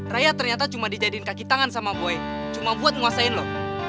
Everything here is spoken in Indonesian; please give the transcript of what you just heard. raya ternyata cuma dijadiin kakitangan sama boy cuma buat menguasain lo